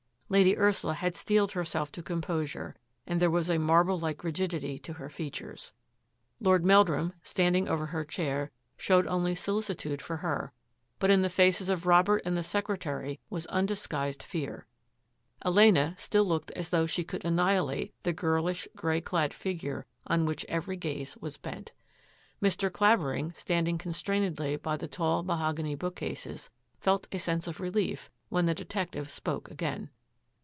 Lady Ursula had steeled herself to composure and there was a mar ble like rigidity to her features. Lord Meldrum, THE (CONFESSION «61 standing over her chair, showed only solicitude for her, but in the faces of Robert and the secre tary was undisguised fear. Elena still looked as though she could annihilate the girlish, grey clad figure on which every gaze was bent. Mr. Clavering, standing constrainedly by the tall, mahogany bookcases, felt a sense of relief when the detective spoke again.